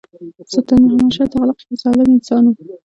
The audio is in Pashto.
سلطان محمدشاه تغلق یو ظالم انسان وو.